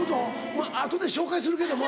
まぁ後で紹介するけども。